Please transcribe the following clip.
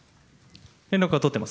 連絡は取っています。